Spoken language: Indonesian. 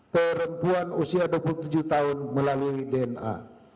perempuan usia dua puluh tujuh tahun melalui dna